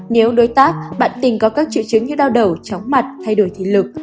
nếu đối tác bạn tình có các triệu chứng như đau đầu chóng mặt thay đổi thị lực